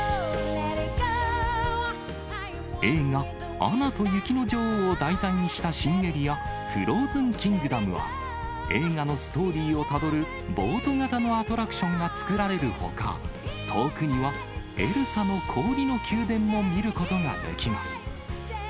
映画、アナと雪の女王を題材にした新エリア、フローズンキングダムは、映画のストーリーをたどるボート型のアトラクションが作られるほか、遠くにはエルサの氷の宮殿も見ることができます。